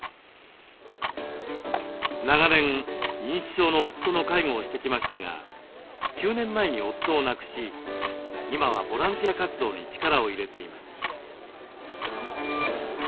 長年認知症の夫の介護をしてきましたが９年前に夫を亡くし今はボランティア活動に力を入れています。